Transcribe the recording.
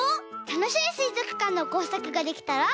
たのしいすいぞくかんのこうさくができたら。